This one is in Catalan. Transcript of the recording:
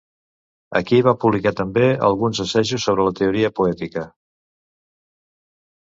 Aquí va publicar també alguns assajos sobre teoria poètica.